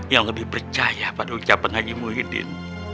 yang lebih percaya pada ucapan haji muhyiddin